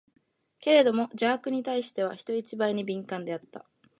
けれども邪悪に対しては、人一倍に敏感であった。